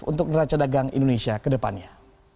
untuk neraca dagang indonesia ke depannya